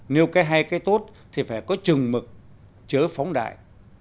nếu cái hay cái tốt thì phải có chừng mực chớ phóng đại